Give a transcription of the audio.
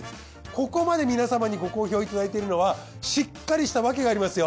ここまで皆様にご好評いただいているのはしっかりした訳がありますよ。